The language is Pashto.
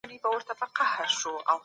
رادیو نیول هدف و.